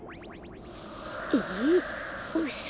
えっうそ！？